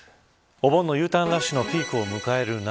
お盆のＵターンラッシュのピークを迎える中